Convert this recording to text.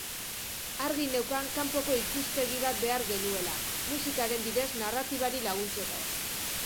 Argi neukan kanpoko ikuspegi bat behar genuela, musikaren bidez narratibari laguntzeko.